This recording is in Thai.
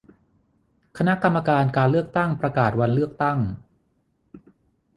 คณะกรรมการการเลือกตั้งประกาศวันเลือกตั้ง